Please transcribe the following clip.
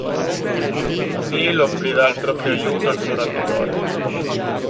Neal offrirà il proprio aiuto al suo rapitore.